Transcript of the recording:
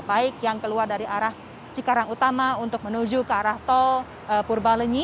baik yang keluar dari arah cikarang utama untuk menuju ke arah tol purbalenyi